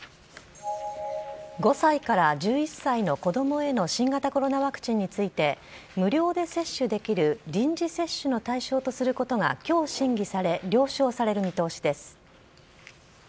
５歳から１１歳の子どもへの新型コロナワクチンについて、無料で接種できる臨時接種の対象とすることがきょう審議され、了承される見通しです。